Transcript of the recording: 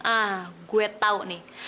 ah gue tau nih